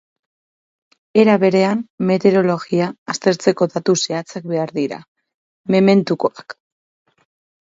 Era berean, meteorologia aztertzeko datu zehatzak behar dira, mementukoak.